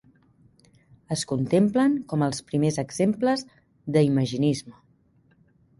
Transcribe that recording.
Es contemplen com els primers exemples de Imaginisme